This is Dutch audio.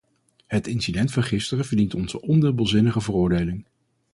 Het incident van gisteren verdient onze ondubbelzinnige veroordeling.